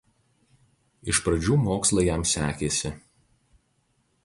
Iš pradžių mokslai jam sekėsi.